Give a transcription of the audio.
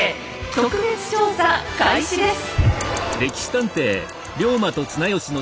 特別調査開始です。